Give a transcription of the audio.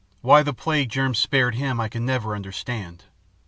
Why the plague germs spared him I can never understand.